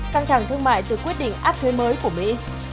căng thẳng thương mại từ quyết định áp thuế mới của mỹ